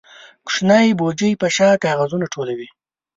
کوچنی بوجۍ په شا کاغذونه ټولوي.